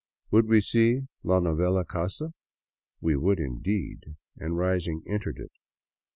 Would we see la novela casaf We would, indeed, and rising, entered it.